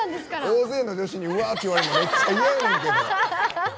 大勢の女子にうわーって言われるの嫌やねんけど。